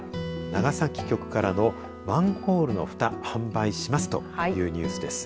長崎局からのマンホールのふた販売しますというニュースです。